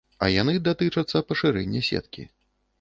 А яны датычацца пашырэння сеткі.